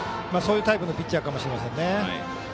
そういうタイプのピッチャーかもしれませんね。